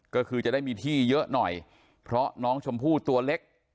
ก็คือจะได้มีที่เยอะหน่อยเพราะน้องชมพู่ตัวเล็ก